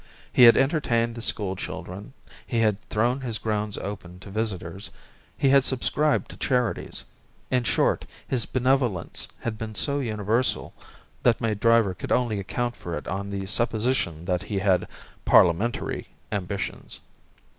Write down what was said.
He had entertained the school children, he had thrown his grounds open to visitors, he had subscribed to charities in short, his benevolence had been so universal that my driver could only account for it on the supposition that he had parliamentary ambitions.